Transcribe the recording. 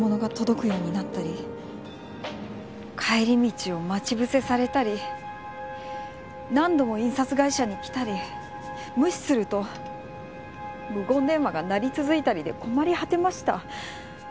帰り道を待ち伏せされたり何度も印刷会社に来たり無視すると無言電話が鳴り続いたりで困り果てました。